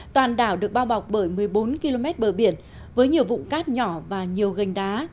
toàn đảo được bao bọc bởi một mươi bốn km bờ biển với nhiều vụ cát nhỏ và nhiều gành đá